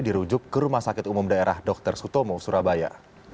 dirujuk ke rumah sakit umum daerah dr sutomo surabaya